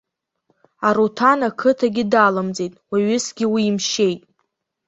Аруҭан ақыҭагьы далымҵит, уаҩысгьы уимшьеит.